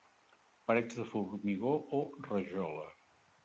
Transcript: Parets de formigó o rajola.